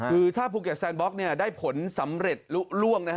คือถ้าภูเกียร์แซนบ็อกซ์ได้ผลสำเร็จล่วง